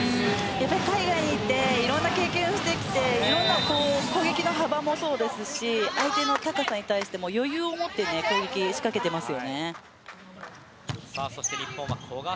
海外に行っていろんな経験をしてきて攻撃の幅もそうですし相手の高さに対しても余裕を持って攻撃を仕掛けています。